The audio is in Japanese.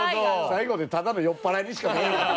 最後ただの酔っ払いにしか見えへん。